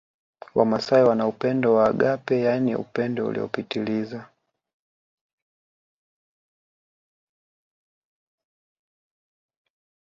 Wamasai wana upendo wa agape yaani upendo uliopitiliza